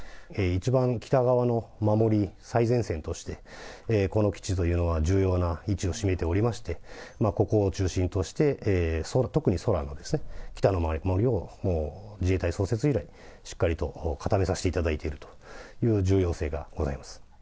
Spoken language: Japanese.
一番北側の守り、最前線として、この基地というのは重要な位置を占めておりまして、ここを中心として、特に空の北の守りを自衛隊創設以来、しっかりと固めさせていただいているという重要性がございます。